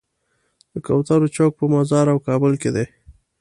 د کوترو چوک په مزار او کابل کې دی.